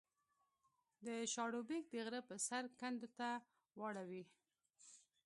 د شاړوبېک د غره په سر کنډو ته واوړې